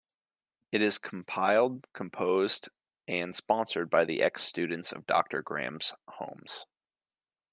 It is compiled, composed and sponsored by the ex-students of Doctor Graham's Homes.